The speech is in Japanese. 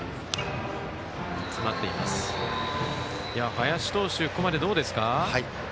林投手、ここまでどうですか。